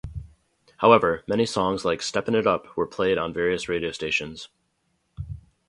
However, many songs like "Steppin' It Up" were played on various radio stations.